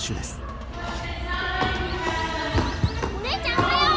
お姉ちゃんおはよう！